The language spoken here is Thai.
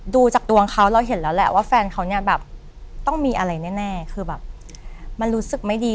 ดูจากดวงเขาเราเห็นแล้วแหละว่าแฟนเขาเนี่ยแบบต้องมีอะไรแน่คือแบบมันรู้สึกไม่ดี